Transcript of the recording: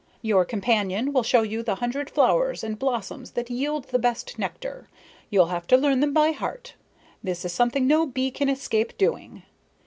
Your companion will show you the hundred flowers and blossoms that yield the best nectar. You'll have to learn them by heart. This is something no bee can escape doing.